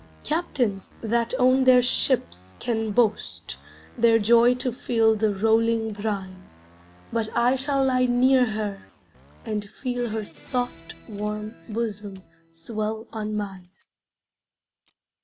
Captains that own their ships can boast Their joy to feel the rolling brine But I shall lie near her, and feel Her soft warm bosom swell on mine.